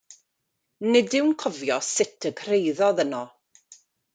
Nid yw'n cofio sut y cyrhaeddodd yno.